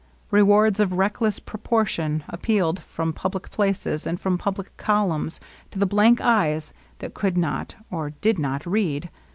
Rewards of reckless pro portion appealed from public places and from pub lic columns to the blank eyes that could not or did not read.